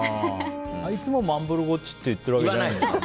いつもマンブルゴッチって言ってるわけじゃないんだ。